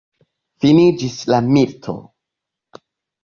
Finiĝis la milito!